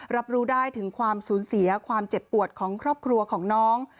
รับรู้ได้ถึงความสูญเสียความเจ็บปวดของครอบครัวของน้อง